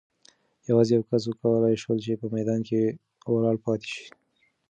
یوازې یو کس وکولای شول چې په میدان کې ولاړ پاتې شي.